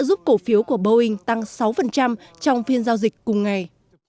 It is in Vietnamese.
giúp cổ phiếu của boeing tăng sáu trong phiên giao dịch cùng ngày